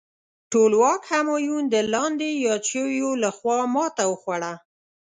ټولواک همایون د لاندې یاد شویو لخوا ماته وخوړه.